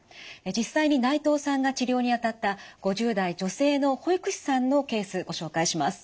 実際に内藤さんが治療にあたった５０代女性の保育士さんのケースご紹介します。